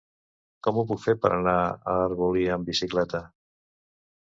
Com ho puc fer per anar a Arbolí amb bicicleta?